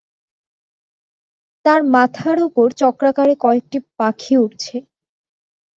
তার মাথার উপর চক্রাকারে কয়েকটি পাখি উড়ছে।